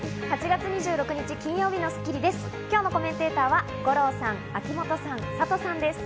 ８月２６日、金曜日の『スッキリ』です。